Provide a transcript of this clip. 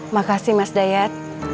makasih mas dayat